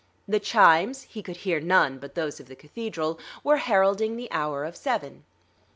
The chimes (he could hear none but those of the Cathedral) were heralding the hour of seven.